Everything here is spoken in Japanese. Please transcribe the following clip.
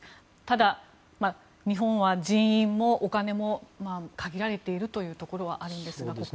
ただ、日本は人員もお金も限られているところがあります。